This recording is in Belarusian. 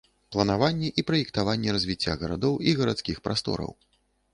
Планаванне і праектаванне развіцця гарадоў і гарадскіх прастораў.